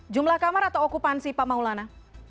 jumlah kamar atau okupansi pak maulana